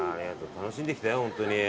楽しんできて本当に。